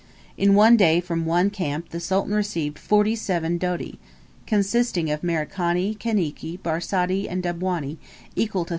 In one day from one camp the sultan received forty seven doti, consisting of Merikani, Kaniki, Barsati, and Dabwani, equal to $35.